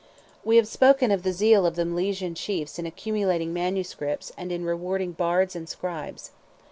We have spoken of the zeal of the Milesian Chiefs in accumulating MSS. and in rewarding Bards and Scribes.